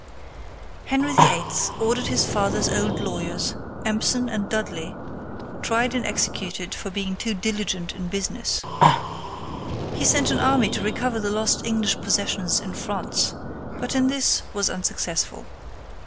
[Illustration: HENRY VIII. AND CATHERINE.] Henry VIII. ordered his father's old lawyers, Empson and Dudley, tried and executed for being too diligent in business. He sent an army to recover the lost English possessions in France, but in this was unsuccessful.